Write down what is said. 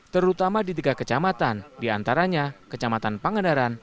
terutama di tiga kecamatan di antaranya kecamatan pangandaran